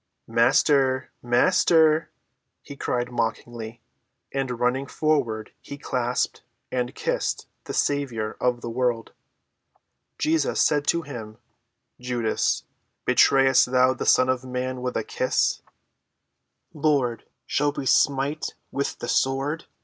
"Master! Master!" he cried mockingly, and running forward he clasped and kissed the Saviour of the world. Jesus said to him, "Judas, betrayest thou the Son of man with a kiss?" "Lord, shall we smite with the sword?"